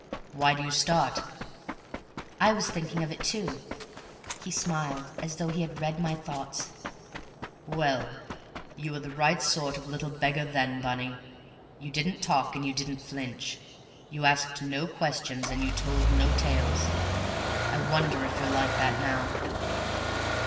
"Why do you start?" "I was thinking of it too." He smiled, as though he had read my thoughts. "Well, you were the right sort of little beggar then, Bunny; you didn't talk and you didn't flinch. You asked no questions and you told no tales. I wonder if you're like that now?"